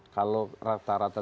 kalau rata rata tiga puluh